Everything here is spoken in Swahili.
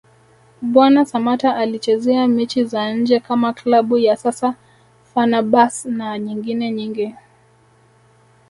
Mbwana Samata alichezea mechi za nje kama Klabu ya sasa Fenerbahce na nyengine nyingi